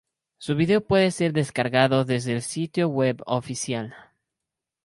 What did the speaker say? Su video puede ser descargado desde el sitio web oficial.